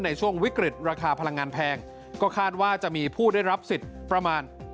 ในช่วงวิกฤตราคาพลังงานแพงก็คาดว่าจะมีผู้ได้รับสิทธิ์ประมาณ